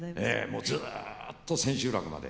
もうずっと千秋楽まで。